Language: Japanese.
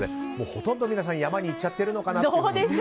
ほとんど皆さん山に行っちゃっているのかなと。